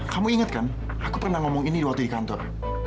kamu ingat kan aku pernah ngomong ini waktu di kantor